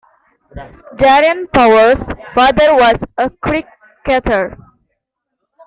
Daren Powell's father was a cricketer.